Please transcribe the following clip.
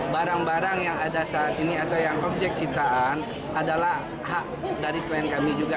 barang barang yang ada saat ini atau yang objek citaan adalah hak dari klien kami juga